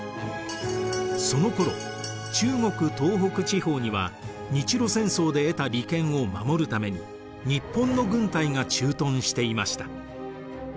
そのころ中国東北地方には日露戦争で得た利権を守るために日本の軍隊が駐屯していました。